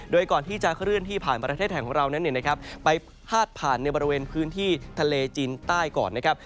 โดยก่อนที่จะเคลื่อนที่ผ่านประเทศไทยของเรานั้นไปพาดผ่านในบริเวณพื้นที่ทะเลจีนใต้ก่อนนะครับ